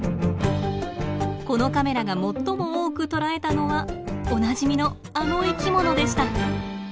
このカメラが最も多く捉えたのはおなじみのあの生きものでした。